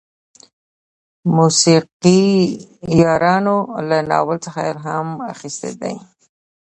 موسیقارانو له ناول څخه الهام اخیستی دی.